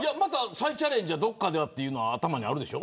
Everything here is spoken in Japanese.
再チャレンジはどこかでというのはあるでしょ。